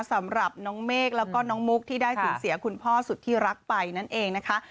สำหรับน้องเมฆแล้วก็น้องมุกที่ได้สูญเสียคุณพ่อสุดที่รักไปนั่นเองนะคะ